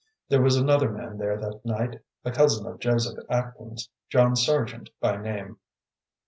There was another man there that night, a cousin of Joseph Atkins, John Sargent by name.